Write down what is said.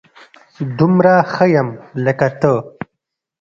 دومره ښه يم لکه ته